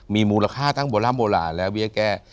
มีมูลค่าทั้งโบราณและเบี้ยแก้